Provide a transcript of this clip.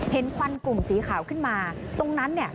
ควันกลุ่มสีขาวขึ้นมาตรงนั้นเนี่ย